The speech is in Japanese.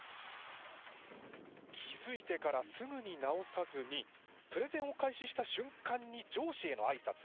気付いてからすぐに直さずにプレゼンを開始した瞬間に上司へのあいさつ。